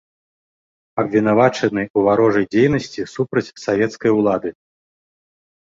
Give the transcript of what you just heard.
Абвінавачаны ў варожай дзейнасці супраць савецкай улады.